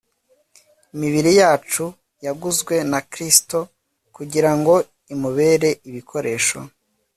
imibiri yacu yaguzwe na kristo kugira ngo imubere ibikoresho